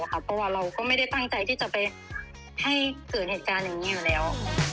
เพราะว่าเราก็ไม่ได้ตั้งใจที่จะไปให้เกิดเหตุการณ์อย่างนี้อยู่แล้ว